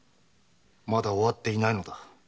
まだ終っていないのだ。